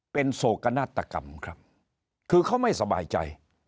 เป็นโศกนาฏกรรมครับคือเขาไม่สบายใจ